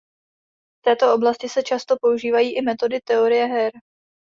V této oblasti se často používají i metody teorie her.